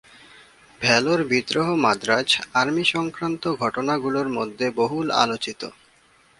ভেলোর বিদ্রোহ মাদ্রাজ আর্মি সংক্রান্ত ঘটনাগুলোর মধ্যে বহুল আলোচিত।